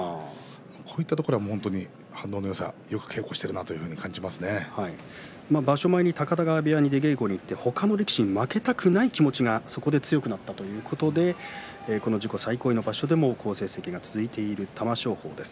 こういったところは本当に反応のよさ場所前に高田川部屋に出稽古に行って他の力士に負けたくないという気持ちがそこで強くなったということで自己最高位の場所でも好成績が続いている玉正鳳です。